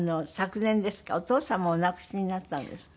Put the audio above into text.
お父様をお亡くしになったんですってね。